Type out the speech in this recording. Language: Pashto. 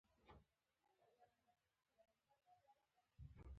هڅه مو کول، د یوډین شاته پر فرعي لارو باندې.